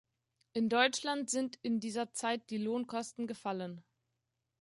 In Deutschland sind in dieser Zeit die Lohnkosten gefallen.